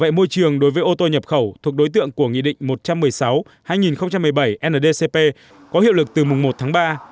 bảo vệ môi trường đối với ô tô nhập khẩu thuộc đối tượng của nghị định một trăm một mươi sáu hai nghìn một mươi bảy ndcp có hiệu lực từ mùng một tháng ba